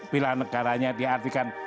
bila negaranya diartikan